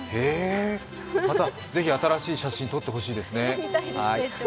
またぜひ新しい写真撮ってほしいですね。